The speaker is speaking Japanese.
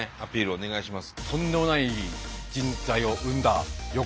お願いします。